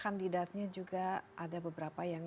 jadi orang orang merasa berperan